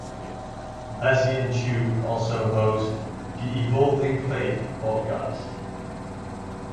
Bessey and Chu also host "The Evolving Faith Podcast".